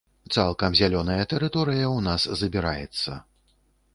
Цалкам зялёная тэрыторыя ў нас забіраецца.